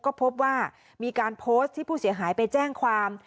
ก็พบว่ามีการโพสต์ที่ผู้เสียหายไปแจ้งความ